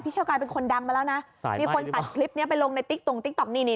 เที่ยวกลายเป็นคนดังมาแล้วนะมีคนตัดคลิปนี้ไปลงในติ๊กตรงติ๊กต๊อกนี่นี่